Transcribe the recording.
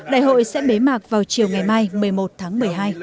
đại hội sẽ bế mạc vào chiều ngày mai một mươi một tháng một mươi hai